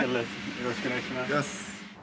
よろしくお願いします。